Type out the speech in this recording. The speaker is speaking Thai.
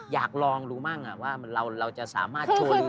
อยากลองดูมั่งว่าเราจะสามารถโชว์หรือ